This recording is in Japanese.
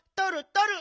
とる！